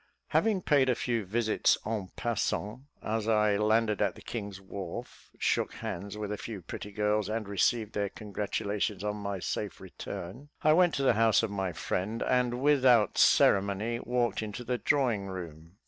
Having paid a few visits en passant, as I landed at the King's Wharf, shook hands with a few pretty girls, and received their congratulations on my safe return, I went to the house of my friend, and, without ceremony, walked into the drawing room.